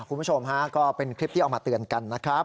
คุณผู้ชมฮะก็เป็นคลิปที่เอามาเตือนกันนะครับ